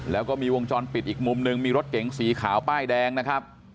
แล้วก็มีวงจรปิดอีกมุมหนึ่งมีรถเก๋งสีขาวป้ายแดงนะครับ